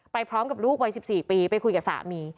พร้อมกับลูกวัย๑๔ปีไปคุยกับสามี